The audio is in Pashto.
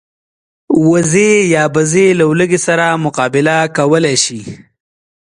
وزې له لوږې سره مقابله کولی شي